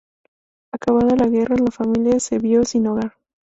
Acabada la guerra, la familia se vio sin hogar.